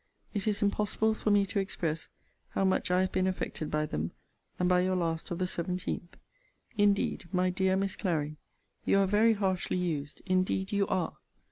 It is impossible for me to express how much I have been affected by them, and by your last of the 17th. Indeed, my dear Miss Clary, you are very harshly used; indeed you are!